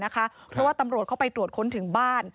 เพราะว่าตำรวจเข้าไปตรวจค้นถึงบ้าน